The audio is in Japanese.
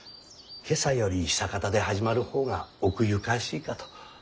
「今朝」より「久かた」で始まる方が奥ゆかしいかと。